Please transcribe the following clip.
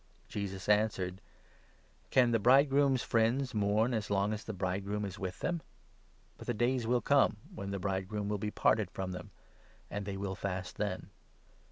Jesus answered : 15 " Can the bridegroom's friends mourn as long as the bride groom is with them ? But the days will come, when the bride groom will be parted from them, and they will fast then.